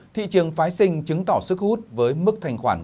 thị trường phái sinh chứng tỏ sức hút với mức thành khoản gấp